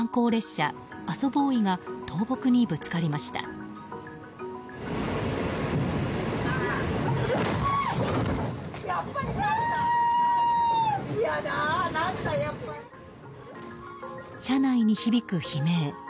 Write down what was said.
車内に響く悲鳴。